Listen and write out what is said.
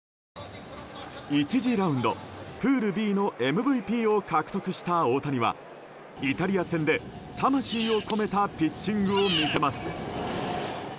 １次ラウンド、プールＢのＭＶＰを獲得した大谷はイタリア戦で魂を込めたピッチングを見せます。